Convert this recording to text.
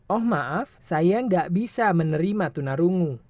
oh maaf saya nggak bisa menerima tunarungu